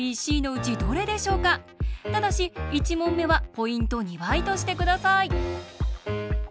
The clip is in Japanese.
ただし１問目はポイント２倍として下さい。